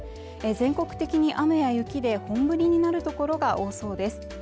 全国的に雨や雪で本降りになるところが多そうです